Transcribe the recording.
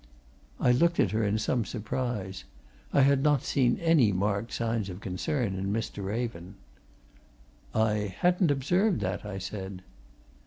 I looked at her in some surprise. I had not seen any marked signs of concern in Mr. Raven. "I hadn't observed that," I said.